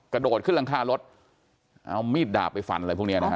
กระโดดขึ้นหลังคารถเอามีดดาบไปฟันอะไรพวกนี้นะฮะ